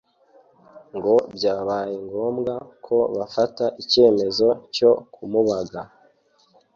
ngo byabaye ngombwa ko bafata icyemezo cyo kumubaga